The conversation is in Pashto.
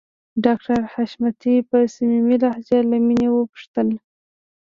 ډاکټر حشمتي په صميمي لهجه له مينې وپوښتل